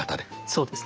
そうですね。